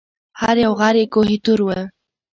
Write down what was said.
هر یو غر یې کوه طور و